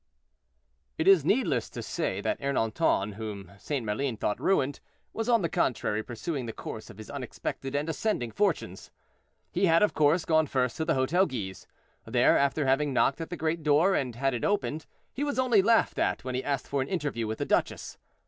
It is needless to say that Ernanton, whom St. Maline thought ruined, was, on the contrary, pursuing the course of his unexpected and ascending fortunes. He had, of course, gone first to the Hotel Guise. There, after having knocked at the great door and had it opened, he was only laughed at when he asked for an interview with the duchess.